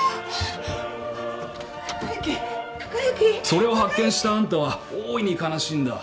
それを発見したあんたは大いに悲しんだ